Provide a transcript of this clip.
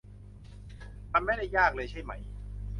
มันไม่ได้ยากเลย ใช่ไหม